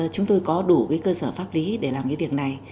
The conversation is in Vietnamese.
chúng tôi có đủ cơ sở pháp lý để làm việc đó